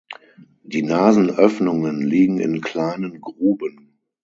Die Nasenöffnungen liegen in kleinen Gruben.